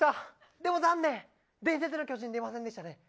でも残念伝説の巨人出ませんでしたね。